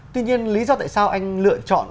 tuy nhiên lý do tại sao anh lựa chọn